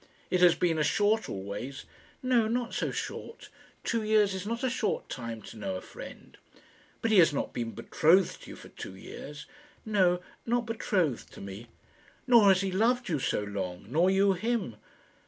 "It has been a short always." "No, not so short. Two years is not a short time to know a friend." "But he has not been betrothed to you for two years?" "No; not betrothed to me." "Nor has he loved you so long; nor you him?"